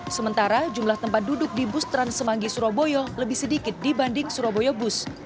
sementara jumlah tempat duduk di bus trans semanggi surabaya lebih sedikit dibanding surabaya bus